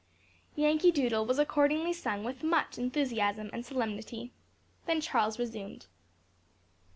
"Yankee Doodle" was accordingly sung with much enthusiasm and solemnity. Then Charles resumed.